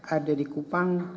ada di kupang